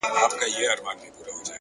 پوهه د ذهن بندې دروازې ماتوي’